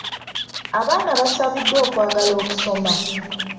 Abaana basabiddwa okwagala okusoma.